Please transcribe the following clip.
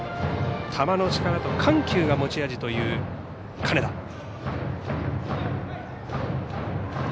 球の力と緩急が持ち味という金田。